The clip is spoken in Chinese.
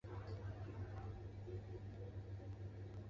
都欢迎与我联系请与我联系